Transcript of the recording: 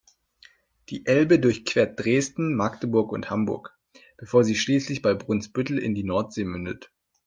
Die Elbe durchquert Dresden, Magdeburg und Hamburg, bevor sie schließlich bei Brunsbüttel in die Nordsee mündet.